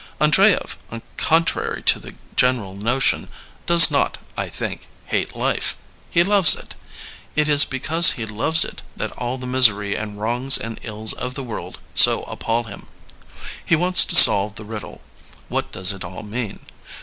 Andreyev, contrary to the general notion, does not, I think, hate life ; he loves it. It is because he loves it that all the misery and wrongs and ills of the world so appall him. He wants to solve the riddle. What does it all mean?